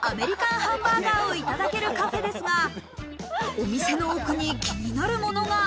ハンバーガーをいただけるカフェですが、お店の奥に気になるものが。